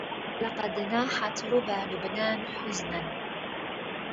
لقد ناحت ربى لبنان حزنا